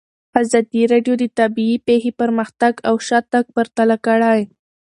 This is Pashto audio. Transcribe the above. ازادي راډیو د طبیعي پېښې پرمختګ او شاتګ پرتله کړی.